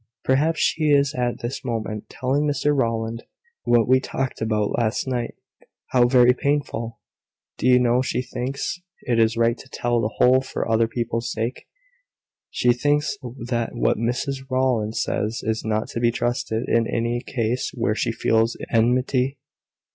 "Perhaps she is at this moment telling Mr Rowland what we talked about last night. How very painful! Do you know she thinks (it is right to tell the whole for other people's sake) she thinks that what Mrs Rowland says is not to be trusted, in any case where she feels enmity.